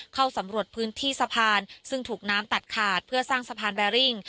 เข้าสำรวจพื้นที่สะพานซึ่งถูกน้ำตัดขาดเพื่อสร้างสะพานแบริ่ง